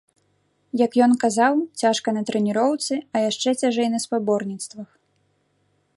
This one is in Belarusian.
Як ён казаў, цяжка на трэніроўцы, а яшчэ цяжэй на спаборніцтвах.